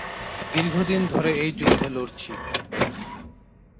দীর্ঘদিন ধরে এই যুদ্ধে লড়ছি।